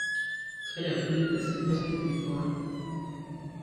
Khɛl ɛkul ipɛs ipɛs twóó phiphɔ́tɔ́.